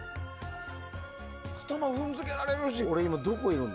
頭踏んづけられるし。